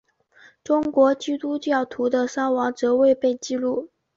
中国基督徒的伤亡则未被记录。